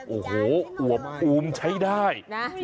โอ้โหอวบอูมใช้ได้